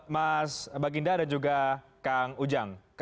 mas baginda dan juga kang ujang